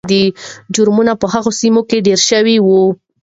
جرمونه په هغو سیمو کې ډېر شوي وو.